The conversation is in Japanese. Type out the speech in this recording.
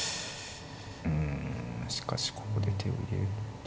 うんしかしここで手を入れるって。